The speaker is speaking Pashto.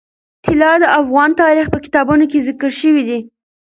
طلا د افغان تاریخ په کتابونو کې ذکر شوی دي.